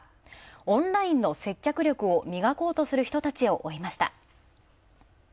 オンラインの接客力を磨こうとする人を追いました。